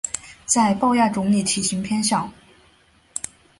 在豹亚种里体型偏小。